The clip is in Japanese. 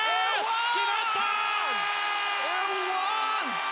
決まった！